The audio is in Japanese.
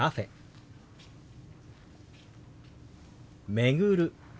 「巡る」。